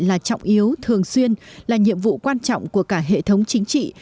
là trọng yếu thường xuyên là nhiệm vụ quan trọng của cả hệ thống chính trị